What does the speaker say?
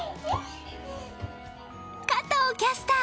加藤キャスター！